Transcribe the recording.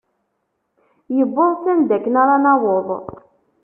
Yewweḍ s anda akken ara naweḍ.